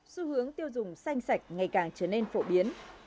xu hướng tiêu dùng xanh sạch ngày càng trở nên phổ biến